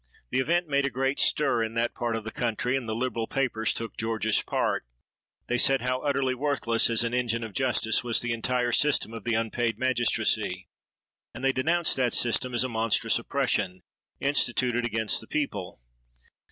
"The event made a great stir in that part of the country, and the liberal papers took George's part. They said how utterly worthless, as an engine of justice, was the entire system of the unpaid magistracy; and they denounced that system as a monstrous oppression, instituted against the people.